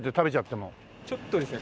ちょっとですね